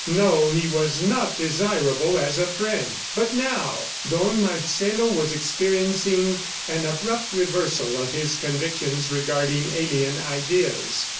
No, he was not desirable as a friend. ... But now Don Marcelo was experiencing an abrupt reversal of his convictions regarding alien ideas.